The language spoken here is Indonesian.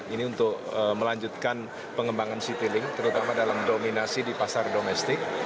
ini untuk melanjutkan pengembangan citylink terutama dalam dominasi di pasar domestik